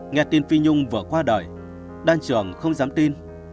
nghe tin phi nhung vừa qua đời đan trường không dám tin